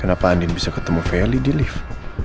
kenapa andien bisa ketemu feli di lift